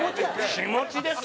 気持ちですね！